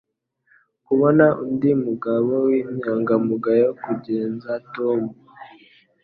kubona undi mugabo w'inyangamugayo kurenza Tom